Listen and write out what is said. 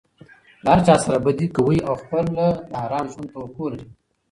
له هرچا سره بدي کوى او خپله د آرام ژوند توقع لري.